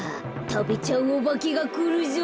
たべちゃうおばけがくるぞ。